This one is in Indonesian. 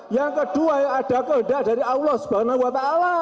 yang kedua yang ada kehendak dari allah swt